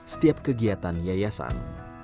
setiap kegiatan yayasan